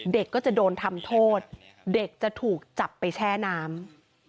เด็กก็จะโดนทำโทษเด็กจะถูกจับไปแช่น้ำ